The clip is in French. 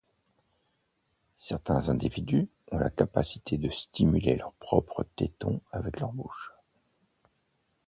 Certains individus ont la capacité de stimuler leurs propres tétons avec leur bouche.